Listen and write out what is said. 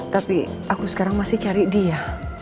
tapi aku sekarang masih cari dia